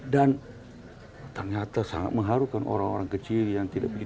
dan ternyata sangat mengharukan orang orang kecil yang tidak begitu